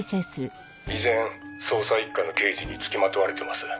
「依然捜査一課の刑事に付きまとわれてます」